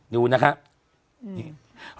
ดูนะครับ